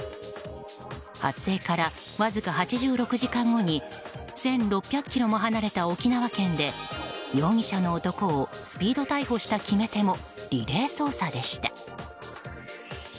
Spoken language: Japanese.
発生からわずか８６時間後に１６００ｋｍも離れた沖縄県で容疑者の男をスピード逮捕した決め手もリレー捜査でした。